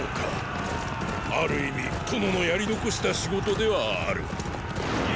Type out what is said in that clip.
ある意味殿のやり残した仕事ではある。